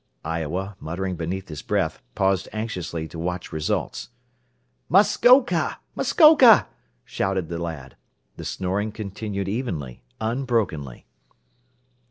Iowa, muttering beneath his breath, paused anxiously to watch results. "Muskoka! Muskoka!" shouted the lad. The snoring continued evenly, unbrokenly.